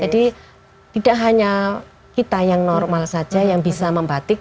jadi tidak hanya kita yang normal saja yang bisa membatik